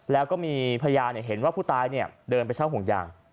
แล้วก็มีพยานเห็นว่าผู้ตายเดินไปเช่าห่วงยาง